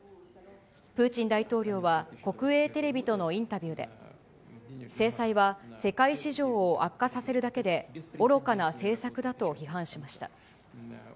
プーチン大統領は国営テレビとのインタビューで、制裁は世界市場を悪化させるだけで、愚かな政策だと批判しました。